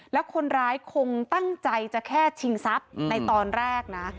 แล้วคนร้ายคงตั้งใจจะแค่ชิงทรัพย์ในตอนแรกนะ